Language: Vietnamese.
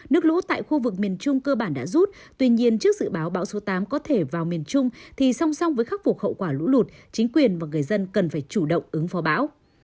nước lũ tại khu vực miền trung cơ bản đã rút tuy nhiên trước dự báo bão số tám có thể vào miền trung thì song song với khắc phục hậu quả lũ lụt chính quyền và người dân cần phải chủ động ứng phó bão